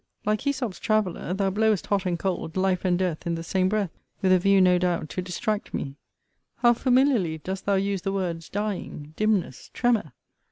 Like Æsop's traveller, thou blowest hot and cold, life and death, in the same breath, with a view, no doubt, to distract me. How familiarly dost thou use the words, dying, dimness, tremor?